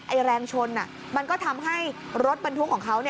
แรงชนมันก็ทำให้รถบรรทุกของเขา